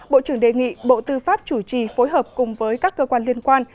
bộ trưởng đề nghị bộ tư pháp chủ trì phối hợp cùng với các cơ quan liên quan